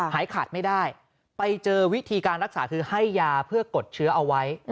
หายขาดไม่ได้ไปเจอวิธีการรักษาคือให้ยาเพื่อกดเชื้อเอาไว้